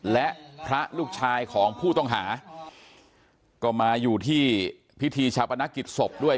และพระลูกชายของผู้ต้องหาก็มาอยู่ที่พิธีชาปนกิจศพด้วย